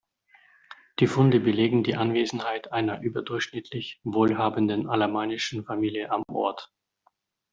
Die Funde belegen die Anwesenheit einer überdurchschnittlich wohlhabenden alamannischen Familie am Ort.